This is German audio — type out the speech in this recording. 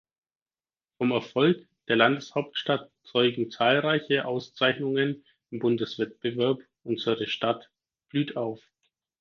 Vom Erfolg der Landeshauptstadt zeugen zahlreiche Auszeichnungen im Bundeswettbewerb Unsere Stadt blüht auf.